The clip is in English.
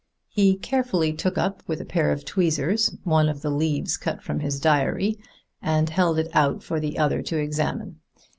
He carefully took up with a pair of tweezers one of the leaves cut from his diary, and held it out for the other to examine.